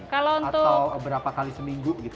atau berapa kali seminggu gitu